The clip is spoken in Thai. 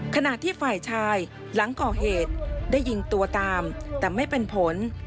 ขณะที่ฝ่ายชายหลังก่อเหตุได้ยิงตัวตามแต่ไม่เป็นผล